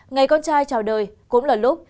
ngày con trai trào đời cũng là lúc